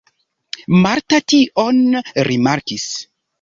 Marta tion rimarkis.